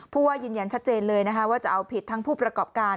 ผู้ว่ายืนยันชัดเจนเลยนะคะว่าจะเอาผิดทั้งผู้ประกอบการ